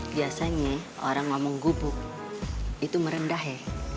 biasanya orang ngomong gubuk itu merendah